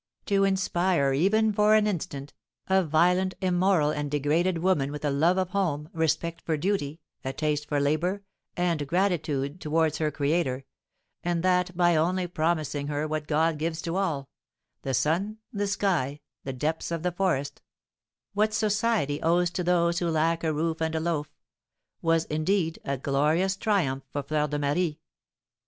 To inspire, even for an instant, a violent, immoral, and degraded woman with a love of home, respect for duty, a taste for labour, and gratitude towards her Creator; and that, by only promising her what God gives to all, the sun, the sky, and the depths of the forest, what society owes to those who lack a roof and a loaf, was, indeed, a glorious triumph for Fleur de Marie!